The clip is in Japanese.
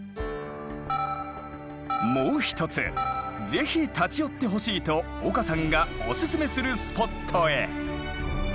もう一つぜひ立ち寄ってほしいと岡さんがおすすめするスポットへ。